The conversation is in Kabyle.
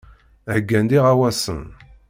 Heyyan-d iɣawasen.